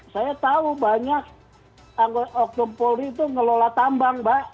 saya tahu banyak anggota polisi itu ngelola tambang mbak